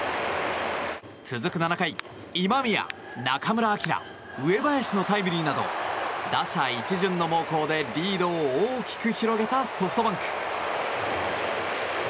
続く７回、今宮、中村晃上林のタイムリーなど打者一巡の猛攻でリードを大きく広げたソフトバンク。